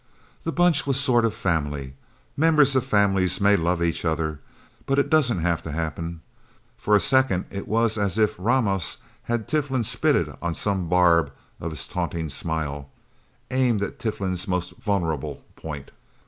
The Bunch was a sort of family. Members of families may love each other, but it doesn't have to happen. For a second it was as if Ramos had Tiflin spitted on some barb of his taunting smile aimed at Tiflin's most vulnerable point.